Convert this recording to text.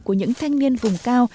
của những thanh niên vùng cao